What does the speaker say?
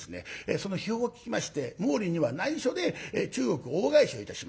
その悲報を聞きまして毛利には内緒で中国大返しをいたします。